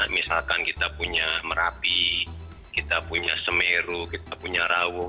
misalkan kita punya merapi kita punya semeru kita punya rawo